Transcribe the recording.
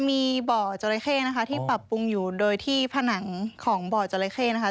มีบ่อจราเข้นะคะที่ปรับปรุงอยู่โดยที่ผนังของบ่อจราเข้นะคะ